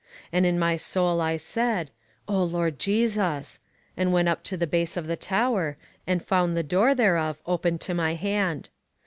And in my soul I said, O Lord Jesus! and went up to the base of the tower, and found the door thereof open to my hand.